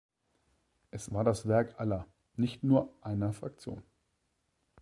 Es war das Werk aller, nicht nur einer Fraktion.